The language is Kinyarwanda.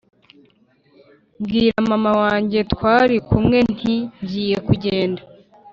mbwira mama wanjye twari kumwe nti ngiye kugenda